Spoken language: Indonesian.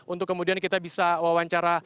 untuk kemudian kita bisa wawancara